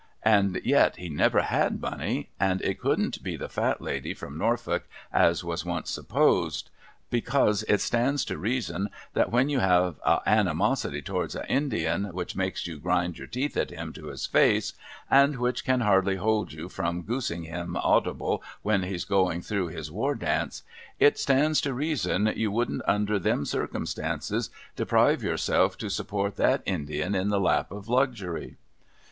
And yet be never had money. And it couldn't be the Fat Lady from Norfolk, as was once suj)posed ; because it stands to reason that when you have a animosity towards a Indian, which makes you grind your teeth at him to his face, and which can hardly hold you from (Joosing him audible when he's going through his War Dance — it stands to reason you wouldn't under them circumstances deprive yourself, to support that Indian in the lap of luxury.